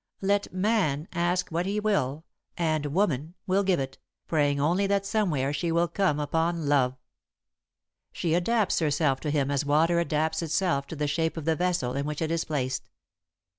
Let Man ask what he will and Woman will give it, praying only that somewhere she will come upon Love. She adapts herself to him as water adapts itself to the shape of the vessel in which it is placed.